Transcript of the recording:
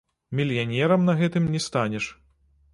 Мільянерам на гэтым не станеш.